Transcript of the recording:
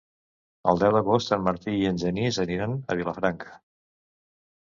El deu d'agost en Martí i en Genís aniran a Vilafranca.